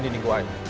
dinding gua ini